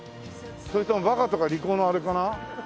それとも「バカ」とか「利口」のあれかな？